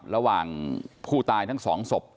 ระหว่างผู้ตายทั้งสองศพ